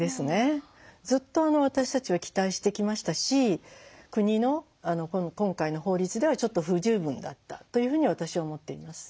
ずっと私たちは期待してきましたし国の今回の法律ではちょっと不十分だったというふうに私は思っています。